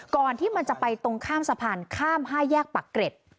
ก่อนที่มันจะไปตรงข้ามสะพานข้าม๕แยกปักเกร็ด